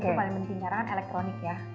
itu paling penting caranya elektronik ya